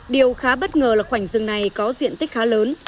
điều khá bất ngờ là khoảnh rừng này có diện tích khá lớn